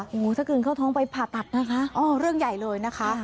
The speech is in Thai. โอ้โหถ้ากลืนเข้าท้องไปผ่าตัดนะคะเรื่องใหญ่เลยนะคะ